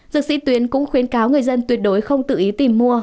dược sĩ tuyến cũng khuyến cáo người dân tuyệt đối không tự ý tìm mua